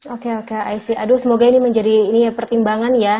oke oke ic aduh semoga ini menjadi pertimbangan ya